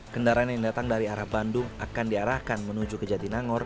kendaraan yang datang dari arah bandung akan diarahkan menuju ke jatinangor